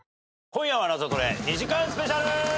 『今夜はナゾトレ』２時間スペシャル！